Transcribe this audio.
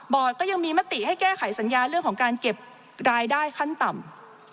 ก็ยังมีมติให้แก้ไขสัญญาเรื่องของการเก็บรายได้ขั้นต่ำ